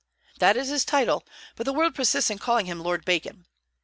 That is his title, but the world persists in calling him Lord Bacon.